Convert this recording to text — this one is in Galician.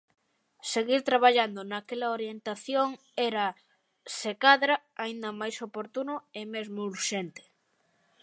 Seguir traballando naquela orientación era, se cadra, aínda máis oportuno e mesmo urxente.